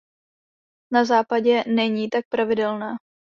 Na západě není tak pravidelná.